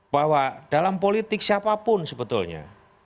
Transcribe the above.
bahwa dalam politik siapapun sebetulnya